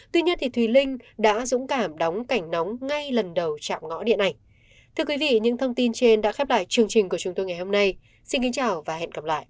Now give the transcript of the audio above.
tuy nhiên thùy linh đã dũng cảm đóng cảnh nóng ngay lần đầu chạm ngõ điện ảnh